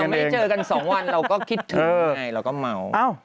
ไม่ได้เจอกันสองวันเราก็คิดถึงไงเราก็เมา